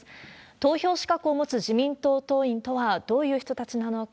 投票資格を持つ自民党党員とはどういう人たちなのか。